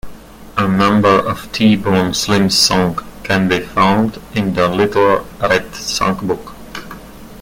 A number of T-Bone Slim's songs can be found in the "Little Red Songbook".